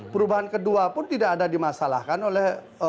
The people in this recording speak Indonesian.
perubahan kedua pun tidak ada dimasalahkan oleh pak wiranto